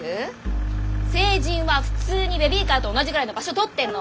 成人は普通にベビーカーと同じぐらいの場所とってんの。